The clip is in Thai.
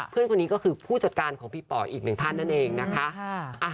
เพื่อนคนนี้ก็คือผู้จัดการของพี่ป่ออีกหนึ่งท่านนั่นเองนะคะ